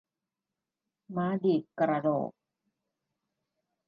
ม้าดีดกระโหลก